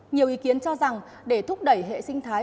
nhiều ý kiến cho rằng để thúc đẩy hệ sinh thái